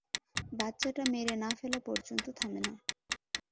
বাচ্চাটা মেরে না ফেলা পর্যন্ত থামে না।